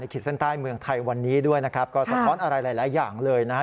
ขีดเส้นใต้เมืองไทยวันนี้ด้วยนะครับก็สะท้อนอะไรหลายอย่างเลยนะฮะ